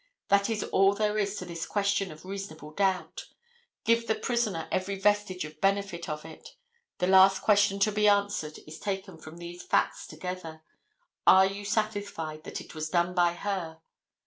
That is all there is to this question of reasonable doubt. Give the prisoner every vestige of benefit of it. The last question to be answered is taken from these facts together. Are you satisfied that it was done by her?